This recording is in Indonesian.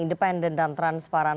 independen dan transparan